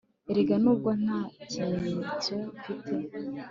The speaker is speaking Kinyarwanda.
erega nubwo nta kimenyetso mfite